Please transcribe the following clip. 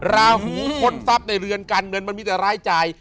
ราหูค้นทรัพย์ในเรือนการเงินมันมีแต่รายจ่าย